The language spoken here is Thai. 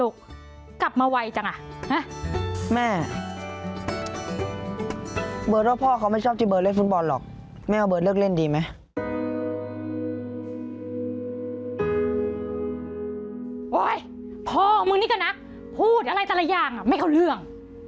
พ่อมึงนี่ก็นักพูดอะไรแต่ละอย่างไม่เข้าเรื่อง